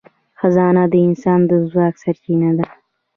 خزانه د انسان د ځواک سرچینه ده.